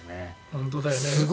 本当だよね。